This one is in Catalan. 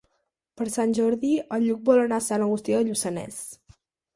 Per Sant Jordi en Lluc vol anar a Sant Agustí de Lluçanès.